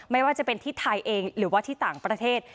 ไม่ว่าจะเป็นที่ไทยเองหรือว่าที่ต่างประเทศ